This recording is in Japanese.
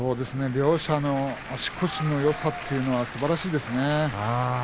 両者の足腰のよさすばらしいですね。